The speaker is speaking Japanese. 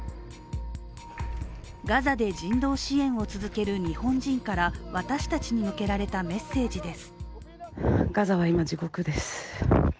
ガザで人道支援を続ける日本人から私たちに向けられたメッセージです。